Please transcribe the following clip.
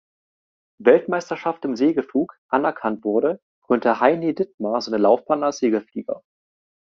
Weltmeisterschaft im Segelflug anerkannt wurde, krönte Heini Dittmar seine Laufbahn als Segelflieger.